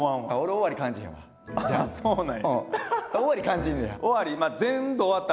終わり感じんねや？